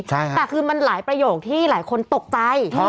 แต่คือมันหลายประโยคที่หลายคนตกใจ